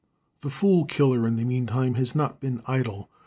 The fool killer, in the meantime, has not been idle.